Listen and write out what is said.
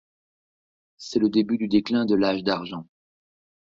C'est le début du déclin de l'Âge d'argent.